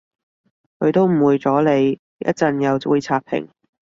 佢都誤會咗你，一陣又會刷屏